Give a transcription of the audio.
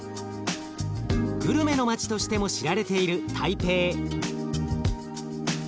グルメの街としても知られている台北。